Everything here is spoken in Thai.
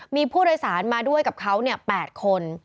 มีผู้โดยสารมาด้วยกับเขา๘คน